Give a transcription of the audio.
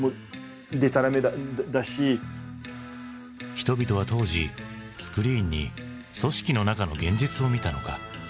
人々は当時スクリーンに組織の中の現実を見たのか？